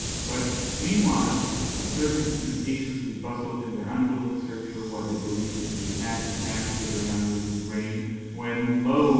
But, meanwhile, the servants ostentatiously bustled in their unwilling search for what they believed to be a phantom fancy of the young lady's brain; when, lo!